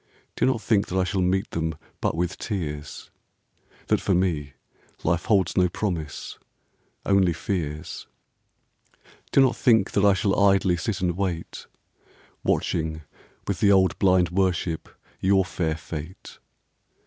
Do not think that I shall meet them But with tears, — That for me life holds no promise, Only fears. Do not think that I shall idly Sit and wait, Watching, with the old blind worship. Your fair fate.